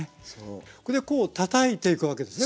こうたたいていくわけですね。